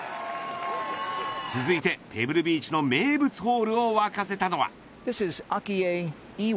続いてペブルビーチの名物ホールを沸かせたのは。